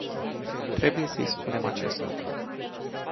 Trebuie să îi spunem acest lucru.